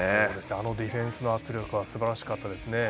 あのディフェンスの圧力はすばらしかったですね。